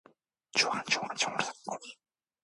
혹시 궁금한 게 있으면 나무위키부터 찾아보고 있지 않으신가요?